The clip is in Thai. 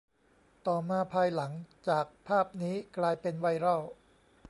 ต่อมา ภายหลังจากภาพนี้กลายเป็นไวรัล